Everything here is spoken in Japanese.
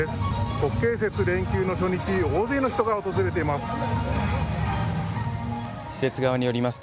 国慶節連休の初日、大勢の人が訪れています。